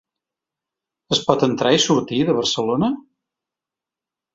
Es pot entrar i sortir de Barcelona?